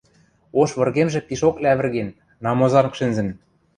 Ош выргемжӹ пишок лявӹрген, намозанг шӹнзӹн.